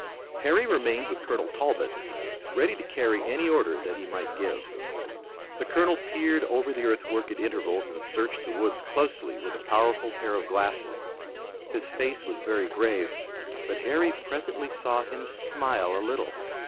Harry remained with Colonel Talbot, ready to carry any order that he might give. The colonel peered over the earthwork at intervals and searched the woods closely with a powerful pair of glasses. His face was very grave, but Harry presently saw him smile a little.